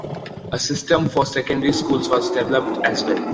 A system for secondary schools was developed as well.